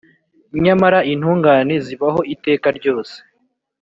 Nyamara intungane zibaho iteka ryose,